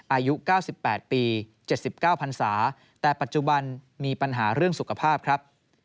อายุ๙๘ปี๗๙พันศาแต่ปัจจุบันมีปัญหาเรื่องสุขภาพครับ